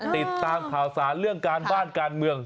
ติดตามข่าวสารเรื่องการบ้านการเมือง